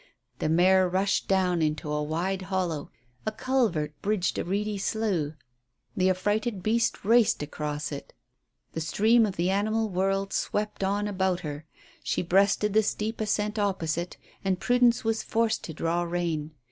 The mare rushed down into a wide hollow. A culvert bridged a reedy slough. The affrighted beast raced across it. The stream of the animal world swept on about her. She breasted the steep ascent opposite, and Prudence was forced to draw rein.